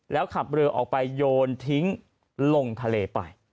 แล้วขับเรือออกไปโยนทิ้งลงทะเลไป